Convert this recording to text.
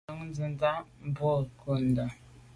Ntan ntshètndà boa nko’ndà.